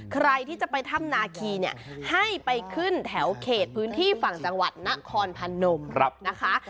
ใครที่จะไปถ้ำนาคีเนี่ยให้ไปขึ้นแถวเขตพื้นที่ฝั่งจังหวัดนครพนมนะคะ